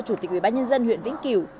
chủ tịch ủy bác nhân dân huyện vĩnh kiểu